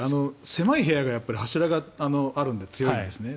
狭い部屋が柱があるので強いんですね。